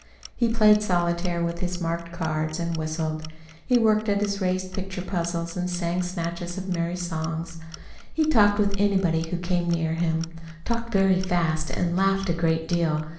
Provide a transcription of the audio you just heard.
He played solitaire with his marked cards and whistled. He worked at his raised picture puzzles and sang snatches of merry song. He talked with anybody who came near him talked very fast and laughed a great deal.